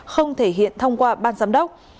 không thể hiện thông qua ban giám đốc